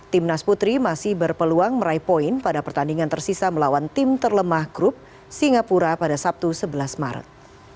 timnas putri masih berpeluang meraih poin pada pertandingan tersisa melawan tim terlemah grup singapura pada sabtu sebelas maret